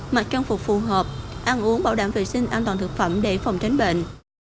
mặc trang phục phù hợp ăn uống bảo đảm vệ sinh an toàn thực phẩm để phòng tránh bệnh